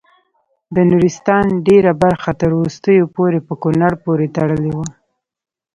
د نورستان ډیره برخه تر وروستیو پورې په کونړ پورې تړلې وه.